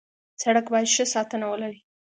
سړک باید ښه ساتنه ولري.